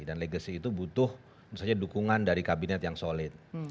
dan legasi itu butuh dukungan dari kabinet yang solid